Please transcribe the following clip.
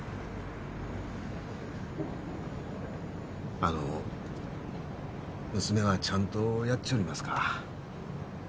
あの娘はちゃんとやっちょりますか？